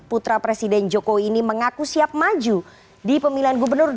putra presiden jokowi ini mengaku siap maju di pemilihan gubernur dua ribu